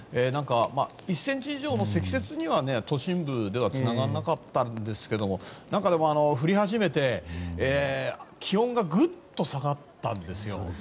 １ｃｍ以上の積雪には都心部ではつながらなかったんですが降り始めて気温がぐっと下がったんですよ。